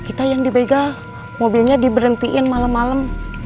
kita yang di bega mobilnya di berhentiin malam malam